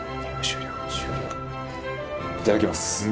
いただきます。